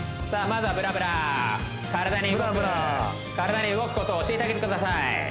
まずはブラブラ体に動く体に動くことを教えてあげてください